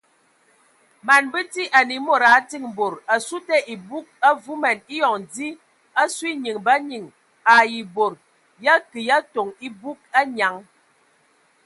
Man bəti anə a mod a diŋ bad asu te ebug avuman eyɔŋ dzi asu enyiŋ ba nyiŋ ai bod ya kə ya toŋ ebug anyaŋ.